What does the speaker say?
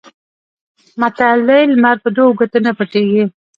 متل دی: لمر په دوو ګوتو نه پټېږي.